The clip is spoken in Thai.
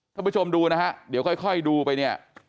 ท่านผู้ชมดูนะฮะเดี๋ยวค่อยดูไปเนี่ย